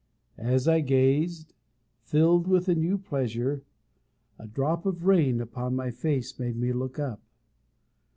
As I gazed, filled with a new pleasure, a drop of rain upon my face made me look up.